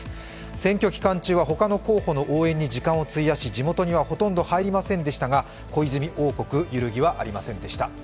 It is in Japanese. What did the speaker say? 選挙期間中は他の候補の応援に時間を費やし、地元には、ほとんど入りませんでしたが小泉王国、揺るぎはありませんでした。